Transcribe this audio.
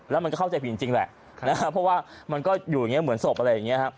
แล้วมันก็เข้าใจผิดจริงแหละนะครับเพราะว่ามันก็อยู่อย่างนี้เหมือนศพอะไรอย่างนี้ครับ